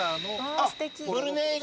あっブルネイが。